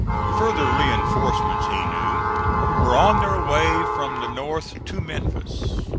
Further reinforcements he knew were on their way from the north to Memphis.